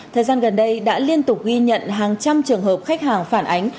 thời gian gần đây đã liên tục ghi nhận hàng trăm trường hợp khách hàng phản ánh